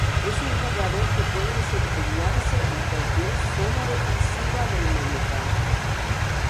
Es un jugador que puede desempeñarse en cualquier zona defensiva del mediocampo.